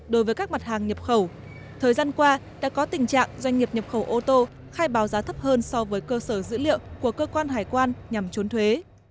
đối với các mặt hàng nhập khẩu thời gian qua đã có tình trạng doanh nghiệp nhập khẩu ô tô khai báo giá thấp hơn so với cơ sở dữ liệu của cơ quan hải quan nhằm trốn thuế